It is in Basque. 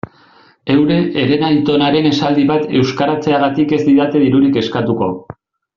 Euren herenaitonaren esaldi bat euskaratzeagatik ez didate dirurik eskatuko.